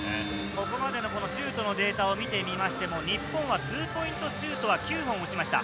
ここまでのシュートのデータを見てみましても、日本はツーポイントシュートは９本打ちました。